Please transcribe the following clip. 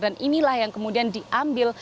dan inilah yang kemudian diambil